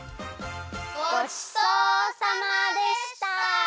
ごちそうさまでした！